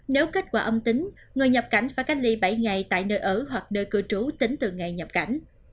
nếu kết quả âm tính người nhập cảnh phải cách ly bảy ngày tại nơi ở hoặc nơi cư trú tính từ ngày nhập cảnh